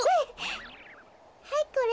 はいこれ。